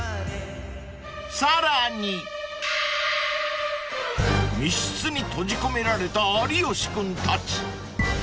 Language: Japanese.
［さらに密室に閉じ込められた有吉君たち］